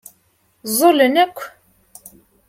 Ẓẓulen akk.